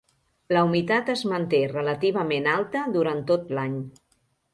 La humitat es manté relativament alta durant tot l'any.